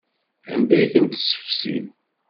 Anda ay tent-tessefsim?